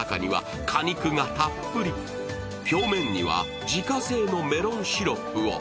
表面には自家製のメロンシロップを。